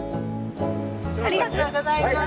ありがとうございます。